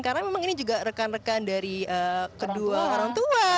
karena memang ini juga rekan rekan dari kedua orang tua